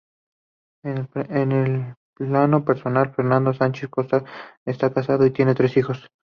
En el plano personal, Fernando Sánchez Costa está casado y tiene tres hijos.